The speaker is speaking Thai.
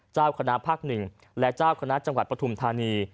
เจ้าคณะภาค๑และเจ้าคณะจังหวัดปฐุมธานี